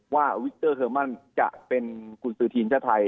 ว่าวิกเตอร์เอร์มันจะเป็นกุญสือทีมชาติไทย